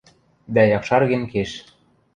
Дӓ якшарген кеш.